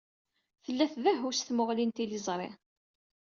Tella tdehhu s tmuɣli n tliẓri.